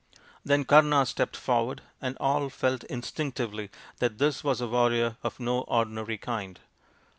Then Kama stepped forward, and all felt instinctively that this was a warrior of no ordinary kind.